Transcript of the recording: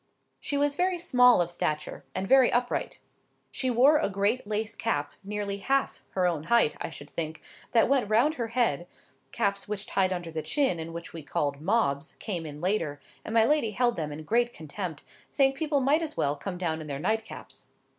She was very small of stature, and very upright. She wore a great lace cap, nearly half her own height, I should think, that went round her head (caps which tied under the chin, and which we called "mobs," came in later, and my lady held them in great contempt, saying people might as well come down in their nightcaps).